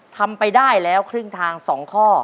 ทำไปได้แล้วครึ่งทาง๒ข้อ